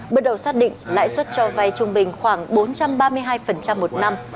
bước đầu xác định lãi suất cho vay trung bình khoảng bốn trăm ba mươi hai một năm